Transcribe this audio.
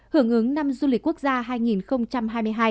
hưởng ứng năm du lịch quốc gia hai nghìn hai mươi hai